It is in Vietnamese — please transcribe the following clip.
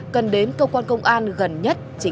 cần đến cơ quan công an gần nhất